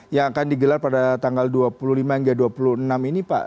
yang akan digelar pada tanggal dua puluh lima hingga dua puluh enam ini pak